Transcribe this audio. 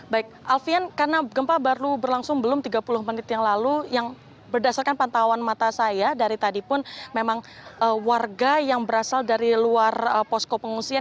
baik alfian karena gempa baru berlangsung belum tiga puluh menit yang lalu yang berdasarkan pantauan mata saya dari tadi pun memang warga yang berasal dari luar posko pengungsian